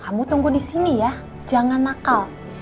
kamu tunggu disini ya jangan nakal